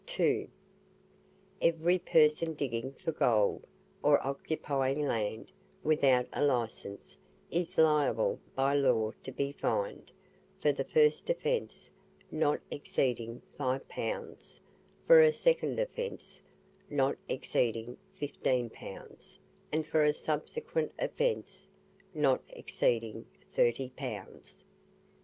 2. Every Person digging for Gold, or occupying Land, without a Licence, is liable by Law to be fined, for the first offence, not exceeding 5 pounds; for a second offence, not exceeding 15 pounds; and for a subsequent offence, not exceeding 30 pounds.